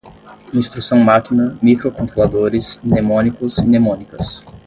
instrução-máquina, microcontroladores, mnemônicos, mnemônicas